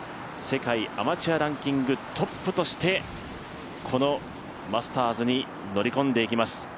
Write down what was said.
世界アマチュアランキングトップとして、このマスターズに乗り込んでいきます。